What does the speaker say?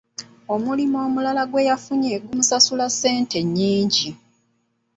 Omulimu omulala gwe yafunye gumusasula ssente nnyingi.